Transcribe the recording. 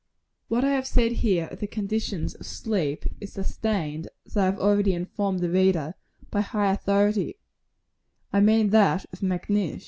What I have here said of the conditions of sleep, is sustained, as I have already informed the reader, by high authority; I mean that of Macnish.